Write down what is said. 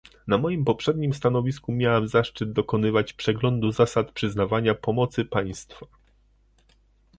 Na moim poprzednim stanowisku miałam zaszczyt dokonywać przeglądu zasad przyznawania pomocy państwa